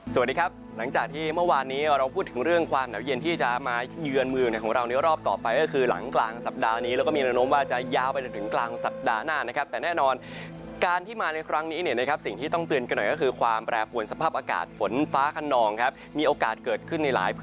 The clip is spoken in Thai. สวัสดีครับหลังจากที่เมื่อวานนี้เราพูดถึงเรื่องความหนาวเย็นที่จะมาเยือนเมืองของเราในรอบต่อไปก็คือหลังกลางสัปดาห์นี้แล้วก็มีระนมว่าจะยาวไปจนถึงกลางสัปดาห์หน้านะครับแต่แน่นอนการที่มาในครั้งนี้เนี่ยนะครับสิ่งที่ต้องเตือนกันหน่อยก็คือความแปรปวนสภาพอากาศฝนฟ้าขนองครับมีโอกาสเกิดขึ้นในหลายพื้นที่